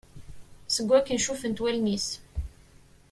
Seg wakken cufent wallen-is.